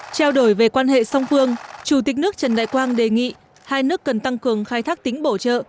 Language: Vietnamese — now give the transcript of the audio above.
trao đổi về quan hệ song phương chủ tịch nước trần đại quang đề nghị hai nước cần tăng cường khai thác tính bổ trợ